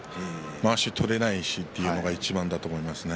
まわしを取れないしというのがいちばんだと思いますね。